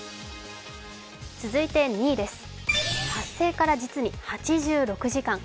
続いて２位です、発生から実に８６時間。